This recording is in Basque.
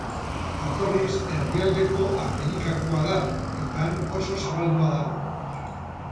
Jatorriz Erdialdeko Amerikakoa da, eta han oso zabaldua dago.